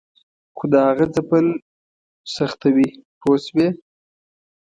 خو د هغه ځپل سختوي پوه شوې!.